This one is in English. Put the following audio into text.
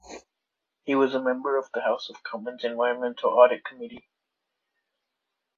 He was a member of the House of Commons Environmental Audit Committee.